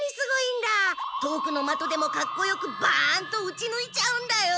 遠くのまとでもかっこよくバンとうちぬいちゃうんだよ。